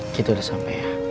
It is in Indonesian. kita udah sampe ya